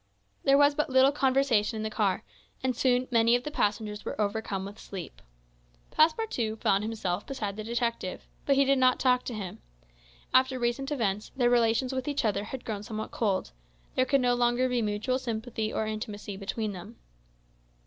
There was but little conversation in the car, and soon many of the passengers were overcome with sleep. Passepartout found himself beside the detective; but he did not talk to him. After recent events, their relations with each other had grown somewhat cold; there could no longer be mutual sympathy or intimacy between them.